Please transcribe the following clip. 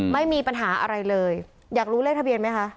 ไม่มีปัญหาอะไรเลยอยากรู้เลขทะเบียนไหมคะ